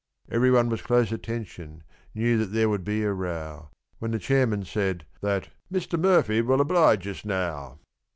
Everyone was close attention, knew that there would be a row, When the chairman said that "Mr. Murphy will oblige us now."